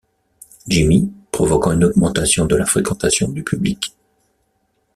Jimmy, provoquant une augmentation de la fréquentation du public.